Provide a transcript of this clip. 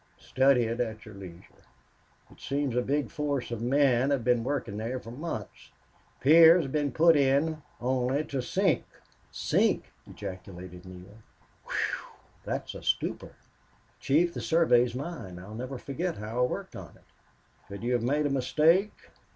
Study it at your leisure.... It seems a big force of men have been working there for months. Piers have been put in only to sink." "Sink!" ejaculated Neale. "WHEW! That's a stumper!... Chief, the survey is mine. I'll never forget how I worked on it." "Could you have made a mistake?"